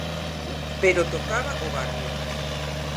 Pero tocaba o barrio.